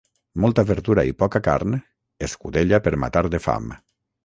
Molta verdura i poca carn, escudella per matar de fam.